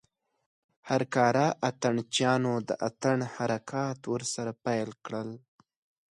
هر کاره اتڼ چيانو د اتڼ حرکات ورسره پيل کړل.